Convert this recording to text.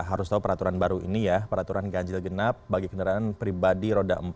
harus tahu peraturan baru ini ya peraturan ganjil genap bagi kendaraan pribadi roda empat